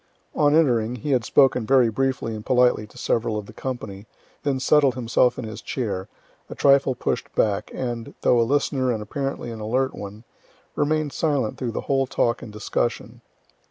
On entering, he had spoken very briefly and politely to several of the company, then settled himself in his chair, a trifle push'd back, and, though a listener and apparently an alert one, remain'd silent through the whole talk and discussion.